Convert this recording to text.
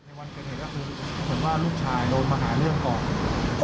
วันเกิดเหตุก็คือเหมือนว่าลูกชายโดนมาหาเรื่องก่อน